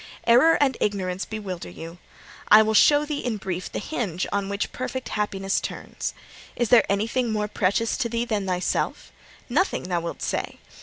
Error and ignorance bewilder you. I will show thee, in brief, the hinge on which perfect happiness turns. Is there anything more precious to thee than thyself? Nothing, thou wilt say.